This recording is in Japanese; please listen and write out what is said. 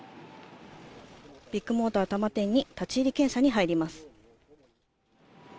ビッグモーター多摩店、立ち入り検査に入ります。